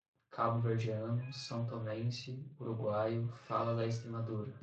cabo-verdiano, são-tomense, uruguaio, fala da Estremadura